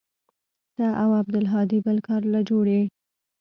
ته او عبدالهادي بل كار له جوړ يې.